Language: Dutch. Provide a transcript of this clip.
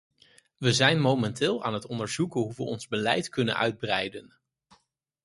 We zijn momenteel aan het onderzoeken hoe we ons beleid kunnen uitbreiden.